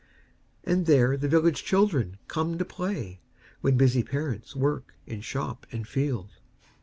And there the village children come to play, When busy parents work in shop and field.